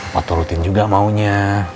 mau turutin juga maunya